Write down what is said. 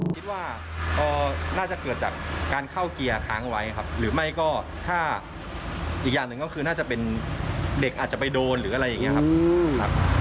คิดว่าน่าจะเกิดจากการเข้าเกียร์ค้างไว้ครับหรือไม่ก็ถ้าอีกอย่างหนึ่งก็คือน่าจะเป็นเด็กอาจจะไปโดนหรืออะไรอย่างนี้ครับ